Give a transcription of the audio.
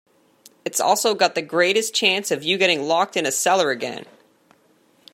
It's also got the greatest chance of you getting locked in a cellar again.